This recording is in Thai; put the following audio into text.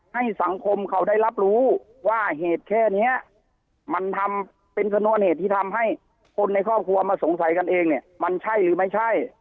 ให้สังคมเขาได้รับรู้ว่าเหตุแค่นี้มันทำเป็นชนวนเหตุที่ทำให้คนในครอบครัวมาสงสัยกันเองเนี่ยมันใช่หรือไม่ใช่